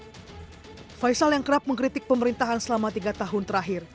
kini faisal asyidgab yang berpengaruh besar faisal yang kerap mengkritik pemerintahan selama tiga tahun terakhir